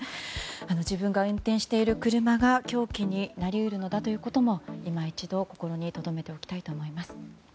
自分が運転している車が凶器になり得るのだということも今一度、心にとどめておきたいと思います。